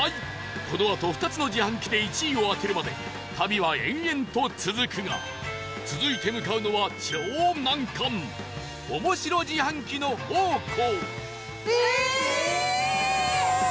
このあと２つの自販機で１位を当てるまで旅は延々と続くが続いて向かうのは超難関おもしろ自販機の宝庫